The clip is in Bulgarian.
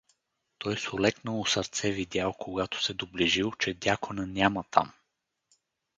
Той с олекнало сърце видял, когато се доближил, че Дякона няма там.